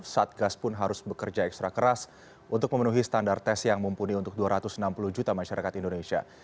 satgas pun harus bekerja ekstra keras untuk memenuhi standar tes yang mumpuni untuk dua ratus enam puluh juta masyarakat indonesia